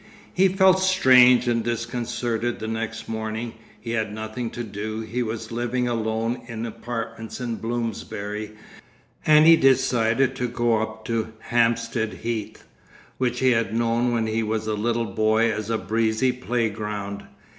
He felt strange and disconcerted the next morning; he had nothing to do, he was living alone in apartments in Bloomsbury, and he decided to go up to Hampstead Heath, which he had known when he was a little boy as a breezy playground.